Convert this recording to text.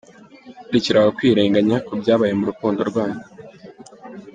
Rekera aho kwirenganya ku byabaye mu rukundo rwanyu.